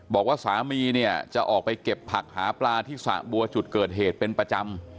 บอกว่าสามีเนี่ยจะออกไปเก็บผักหาปลาที่สระบัวจุดเกิดเหตุเป็นประจำ